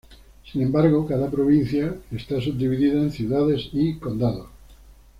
Sin embargo, cada provincia está subdividida en ciudades y condados.